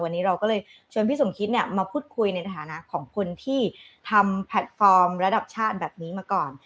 วันนี้เราก็เลยชวนพี่สมคิดเนี่ยมาพูดคุยในฐานะของคนที่ทำแพลตฟอร์มระดับชาติแบบนี้มาก่อน